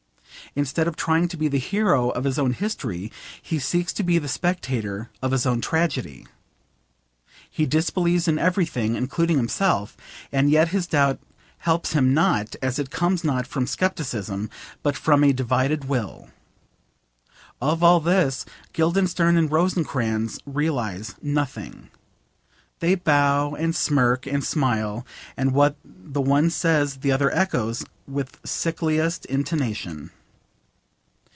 Instead of trying to be the hero of his own history, he seeks to be the spectator of his own tragedy. He disbelieves in everything, including himself, and yet his doubt helps him not, as it comes not from scepticism but from a divided will. Of all this Guildenstern and Rosencrantz realise nothing. They bow and smirk and smile, and what the one says the other echoes with sickliest intonation.